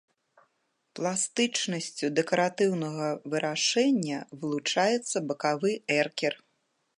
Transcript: Пластычнасцю дэкаратыўнага вырашэння вылучаецца бакавы эркер.